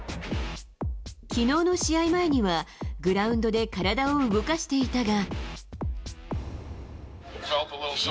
きのうの試合前にはグラウンドで体を動かしていたが。